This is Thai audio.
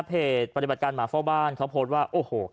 ปฏิบัติการหมาเฝ้าบ้านเขาโพสต์ว่าโอ้โห